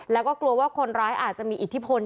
แล้วก็กลัวว่าคนร้ายอาจจะมีอิทธิพล